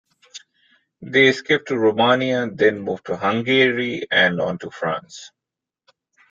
They escaped to Romania, then moved to Hungary, and on to France.